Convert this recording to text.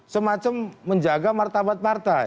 semacam menjaga martabat partai